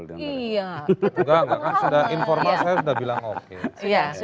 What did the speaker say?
enggak enggak informal saya sudah bilang oke